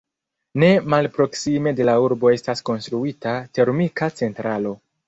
Ne malproksime de la urbo estas konstruita termika centralo.